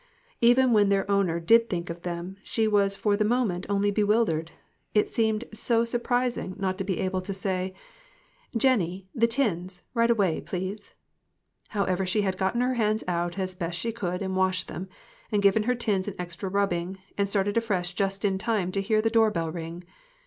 Even when their owner did think of them, she was for the moment only bewildered. It seemed so surprising not to be able to say MIXED THINGS. IQ "Jennie, the tins ; right away, please." However, she had gotten her hands out as best she could, and washed them, and given her tins an extra rubbing, and started afresh just in time to hear the door bell ring.